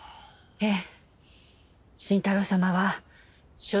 ええ。